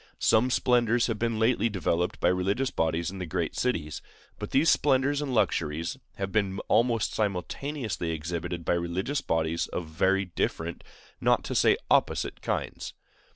Some splendors have been lately developed by religious bodies in the great cities; but these splendors and luxuries have been almost simultaneously exhibited by religious bodies of very different, not to say opposite, kinds.